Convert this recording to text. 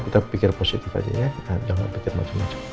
kita pikir positif aja ya jangan pikir macem macem